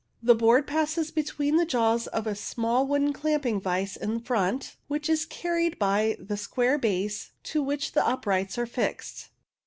The board passes between the jaws of a small wooden clamping vice in front, which is carried by the square base to which the uprights are fixed.